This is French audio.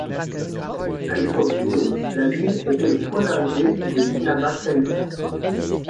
À l'époque d'Edo, la ville était le point d'arrivée de l'Inaba Kaidō.